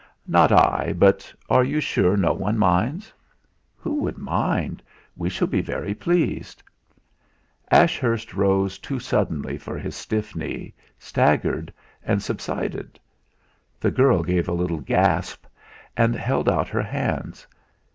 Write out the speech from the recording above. "Not I. But are you sure no one minds?" "Who would mind? We shall be very pleased." Ashurst rose too suddenly for his stiff knee, staggered, and subsided. The girl gave a little gasp, and held out her hands.